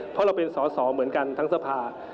เพราะเราเป็นสอสอเหมือนกันทั้งสภา